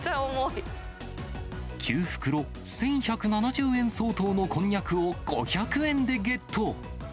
９袋、１１７０円相当のこんにゃくを５００円でゲット。